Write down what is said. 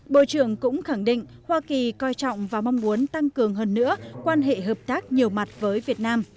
bộ trưởng cũng khẳng định hoa kỳ coi trọng và mong muốn tăng cường hơn nữa quan hệ hợp tác nhiều mặt với việt nam